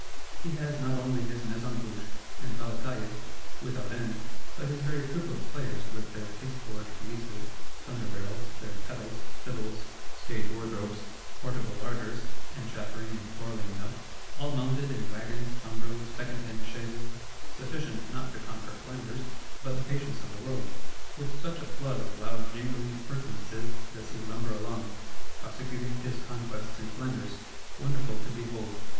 He has not only his Maison Bouche, and Valetaille without end, but his very Troop of Players, with their pasteboard coulisses, thunder barrels, their kettles, fiddles, stage wardrobes, portable larders (and chaffering and quarrelling enough); all mounted in wagons, tumbrils, second hand chaises,—sufficient not to conquer Flanders, but the patience of the world. With such a flood of loud jingling appurtenances does he lumber along, prosecuting his conquests in Flanders; wonderful to behold.